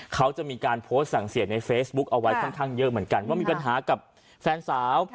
เขาจะมีการโพสต์สั่งเสียในเฟซบุ๊คเอาไว้ค่อนข้างเยอะเหมือนกันว่ามีปัญหากับแฟนสาว